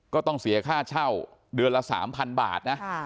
ก็ต้องเสียค่าเช่าเดือนละ๓๐๐๐บาทนะ